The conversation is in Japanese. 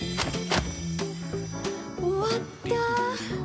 終わった！